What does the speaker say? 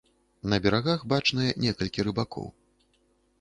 На берагах бачныя некалькі рыбакоў.